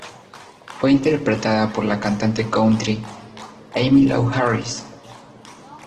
Fue interpretada por la cantante country Emmylou Harris.